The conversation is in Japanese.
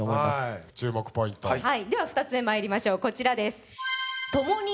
はい注目ポイントでは２つ目まいりましょうこちらです